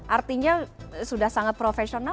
artinya sudah sangat profesional